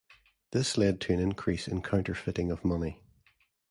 This led to an increase in counterfeiting of money.